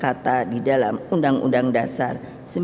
kata di dalam undang undang dasar seribu sembilan ratus empat puluh